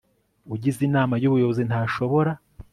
ugize inama y ubuyobozi ntashobora